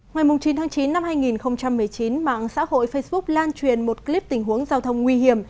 ngày chín tháng chín năm hai nghìn một mươi chín mạng xã hội facebook lan truyền một clip tình huống giao thông nguy hiểm